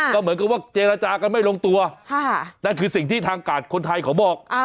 ก็เหมือนกับว่าเจรจากันไม่ลงตัวนั่นคือสิ่งที่ทางกาดคนไทยเขาบอก